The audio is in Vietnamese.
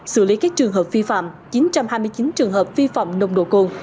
sử lý các trường hợp vi phạm chín trăm hai mươi chín trường hợp vi phạm nồng độ côn